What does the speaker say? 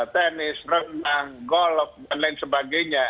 tennis renang golf dan lain sebagainya